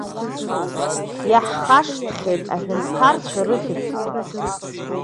Иаҳхашҭхеит аҳәынҭқарцәа рыхьыӡқәа.